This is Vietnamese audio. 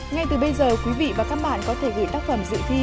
ngay từ bây giờ quý vị và các bạn có thể gửi tác phẩm dự thi